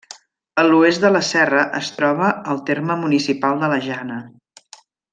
A l'oest de la serra es troba el terme municipal de la Jana.